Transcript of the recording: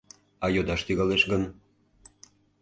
— А йодаш тӱҥалеш гын?..